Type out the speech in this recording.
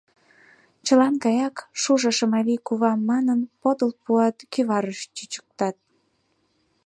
Чылан гаяк, «Шужо, Шымавий кува» манын, подыл пуат, кӱварыш чӱчыктат.